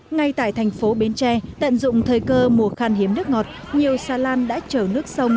ngay tại thành phố bến tre tận dụng thời cơ mùa khan hiếm nước ngọt nhiều xa lan đã chở nước sông